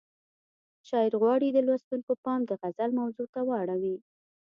شاعر غواړي د لوستونکو پام د غزل موضوع ته واړوي.